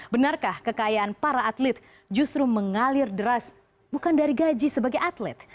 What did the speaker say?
benarkah kekayaan para atlet justru mengalir deras bukan dari gaji sebagai atlet